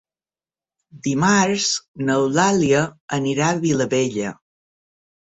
Dimarts n'Eulàlia anirà a Vilabella.